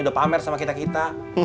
udah pamer sama kita kita